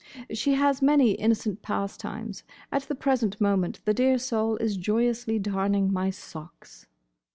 "She has many innocent pastimes. At the present moment the dear soul is joyously darning my socks."